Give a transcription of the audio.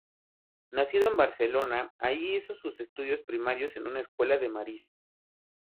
Nacido en Barcelona, allí hizo sus estudios primarios en una escuela de Maristas.